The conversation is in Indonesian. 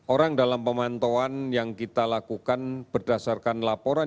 orang dalam pemantauan yang kita lakukan berdasarkan laporan